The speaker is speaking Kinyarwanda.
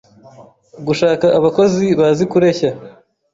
gushaka abakozi bazi kureshya